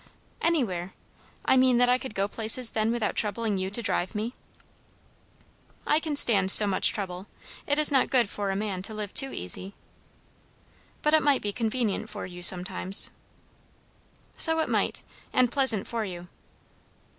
"Anywhere. I mean, that I could go to places then without troubling you to drive me." "I can stand so much trouble. It is not good for a man to live too easy." "But it might be convenient for you sometimes." "So it might, and pleasant for you.